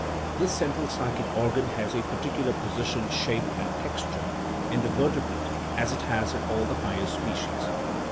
This central psychic organ has a particular position, shape, and texture in the vertebrate as it has in all the higher species.